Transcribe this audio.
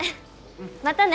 またね。